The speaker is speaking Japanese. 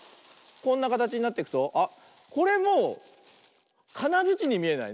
こんなかたちになってくとあっこれもうかなづちにみえない？